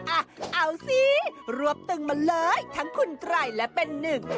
อ่ะเอาสิรวบตึงมาเลยทั้งคุณไตรและเป็นหนึ่ง